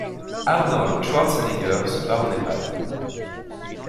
Arnold Schwartzenegger se barre au Népal.